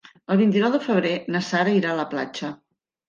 El vint-i-nou de febrer na Sara irà a la platja.